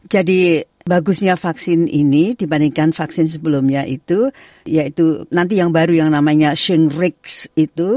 jadi bagusnya vaksin ini dibandingkan vaksin sebelumnya itu yaitu nanti yang baru yang namanya shingrix itu